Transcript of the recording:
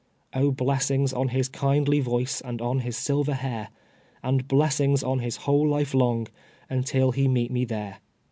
"Oh, blessings on his kindly voice and on his silver hair, And blessings on his whole life long, until he meet me there."